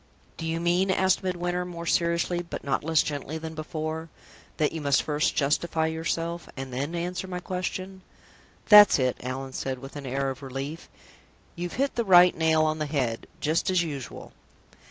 "Do you mean," asked Midwinter, more seriously, but not less gently than before, "that you must first justify yourself, and then answer my question?" "That's it!" said Allan, with an air of relief. "You're hit the right nail on the head, just as usual."